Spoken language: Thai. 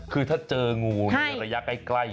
คือถ้าเจองูในระยะใกล้